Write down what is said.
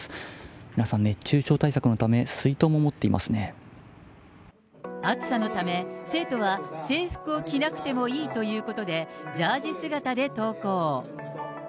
皆さん、熱中症対策のため、暑さのため、生徒は制服を着なくてもいいということで、ジャージ姿で登校。